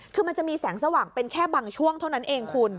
คือมันจะมีแสงสว่างเป็นแค่บางช่วงเท่านั้นเองคุณ